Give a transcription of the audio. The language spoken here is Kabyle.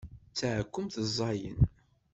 D taɛekkemt ẓẓayen.